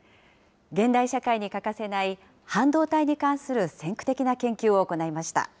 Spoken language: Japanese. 現代社会に欠かせない半導体に関する先駆的な研究を行いました。